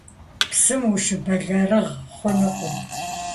Псым ущыбэлэрыгъ хъунукъым.